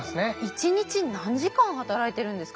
一日に何時間働いてるんですか？